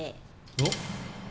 おっ！